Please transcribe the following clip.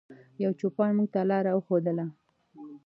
یو چوپان موږ ته لاره وښودله.